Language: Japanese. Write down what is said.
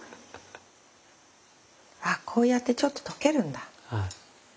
あこうやってちょっと溶けるんだ。